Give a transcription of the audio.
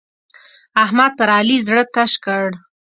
احمد پر علي زړه تش کړ.